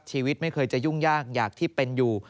ชีวิตไม่เคยจะยุ่งยากอยากที่เป็นอยู่